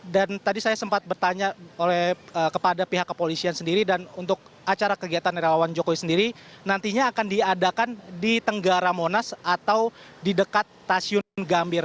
dan tadi saya sempat bertanya kepada pihak kepolisian sendiri dan untuk acara kegiatan relawan jokowi sendiri nantinya akan diadakan di tenggara monas atau di dekat tasyun gambir